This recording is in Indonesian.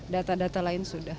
data data lain sudah